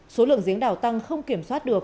số lượng giếng đào tăng không kiểm soát được